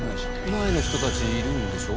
前の人たちいるんでしょ？